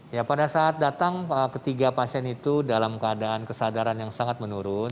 ya pada saat datang ketiga pasien itu dalam keadaan kesadaran yang sangat menurun